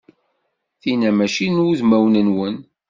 Tinna mačči n wudmawen-nwen.